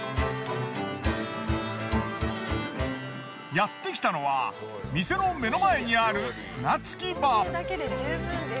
やってきたのは店の目の前にある船着き場。